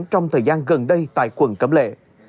trong thời gian gần đây tại quận cẩm lệ